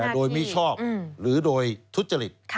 โดยมิชอบหรือโดยทุจริต